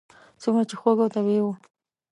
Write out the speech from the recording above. څومره چې خوږ او طبیعي و.